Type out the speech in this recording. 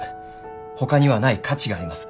ほかにはない価値があります。